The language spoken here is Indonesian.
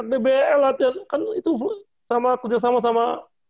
kan itu sama kerjasama sama